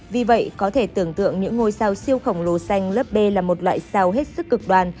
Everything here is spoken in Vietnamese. vì vậy có thể tưởng tượng những ngôi sao siêu khổng lồ xanh lớp b là một loại sao hết sức cực đoàn